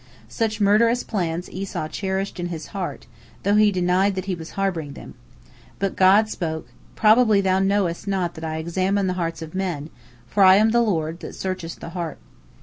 Such murderous plans Esau cherished in his heart, though he denied that he was harboring them. But God spoke, "Probably thou knowest not that I examine the hearts of men, for I am the Lord that searcheth the heart."